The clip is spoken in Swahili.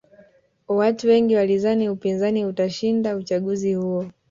watu wengi walidhani upinzani utashinda uchaguzi huo